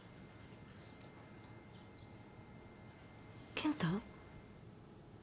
健太？